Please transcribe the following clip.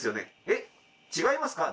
「えっ違いますか？